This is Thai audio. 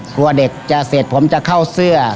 กลัวเด็กจะเสร็จผมจะเข้าเสื้อ